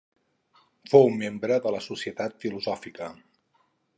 Fou membre de la Societat Filosòfica.